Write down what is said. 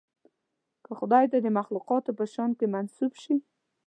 که خدای ته د مخلوقاتو په شأن کې منسوب شي.